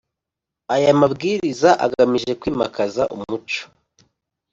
Aya mabwiriza agamije kwimakaza umuco